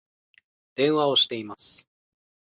電話をしています